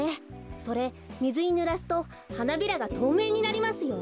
それみずにぬらすとはなびらがとうめいになりますよ。